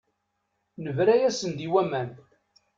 Nebra-yasen-d i waman.